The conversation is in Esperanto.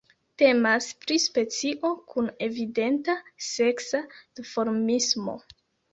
Temas pri specio kun evidenta seksa duformismo.